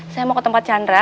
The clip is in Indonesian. saya mau ke tempat chandra